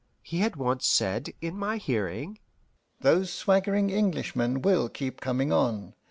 He had once said in my hearing: "Those swaggering Englishmen will keep coming on.